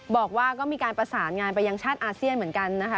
บอกว่าก็มีการประสานงานไปยังชาติอาเซียนเหมือนกันนะคะ